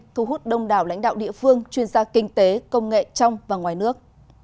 thu hút đông đảo lãnh đạo địa phương chuyên gia kinh tế công nghệ trong và ngoài nước